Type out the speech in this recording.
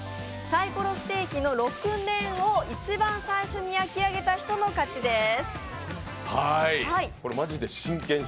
サイコロステーキの６面を１番最初に焼き上げた人に勝ちです